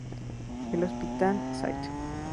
El Hospital St.